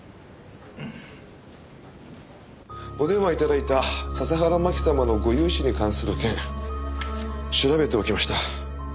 お電話いただいた笹原真紀様のご融資に関する件調べておきました。